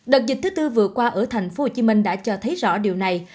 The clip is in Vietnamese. đợt dịch thứ tư vừa qua ở thành phố hồ chí minh đã cho thấy rõ điều này